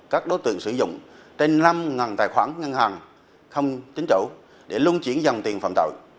các đối tượng sử dụng trên năm tài khoản ngân hàng không chính chủ để lung chuyển dòng tiền phạm tội